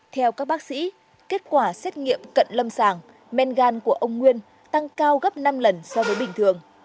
theo các bác sĩ kết quả xét nghiệm cận lâm sàng men gan của ông nguyên tăng cao gấp năm lần so với bình thường